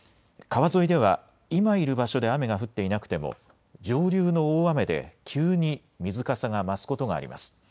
川沿いでは今いる場所で雨が降っていなくても上流の大雨で急に水かさが増すことがあります。